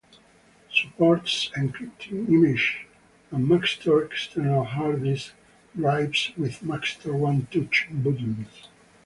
Supports encrypting images and Maxtor external hard disk drives with Maxtor OneTouch buttons.